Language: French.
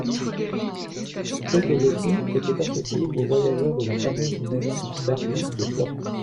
Pegolotti était associé ou voyageur de la fameuse maison Bardi de Florence.